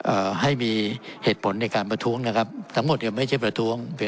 เอ่อให้มีเหตุผลในการประท้วงนะครับทั้งหมดเนี่ยไม่ใช่ประท้วง